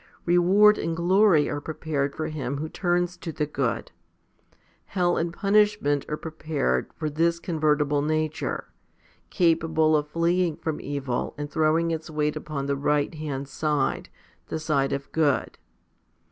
Reward and glory are prepared for him who turns to the good ; hell and punish ment are prepared for this convertible nature, capable of fleeing from the evil and throwing its weight upon the right hand side, the side of good.